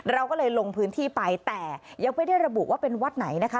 เราก็เลยลงพื้นที่ไปแต่ยังไม่ได้ระบุว่าเป็นวัดไหนนะคะ